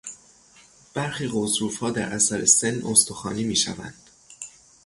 برخی غضروفها در اثر سن استخوانی میشوند.